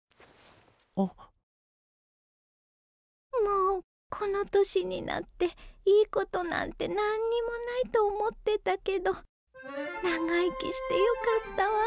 もうこの年になっていいことなんて何にもないと思ってたけど長生きしてよかったわ。